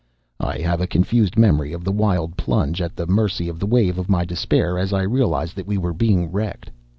I have a confused memory of the wild plunge at the mercy of the wave, of my despair as I realized that we were being wrecked.